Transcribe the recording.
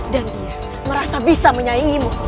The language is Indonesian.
dan dia merasa bisa menyaingimu